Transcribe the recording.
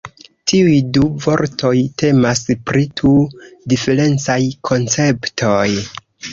Tiuj du vortoj temas pri du diferencaj konceptoj.